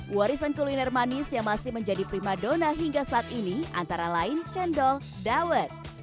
warisan kuliner manis yang masih menjadi prima dona hingga saat ini antara lain cendol dawet